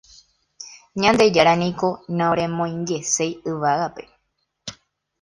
Ñandejára niko naoremoingeséi yvágape.